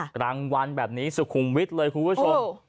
กลางวันแบบนี้สุขุมวิทย์เลยคุณผู้ชม